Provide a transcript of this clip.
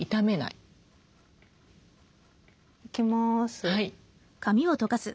いきます。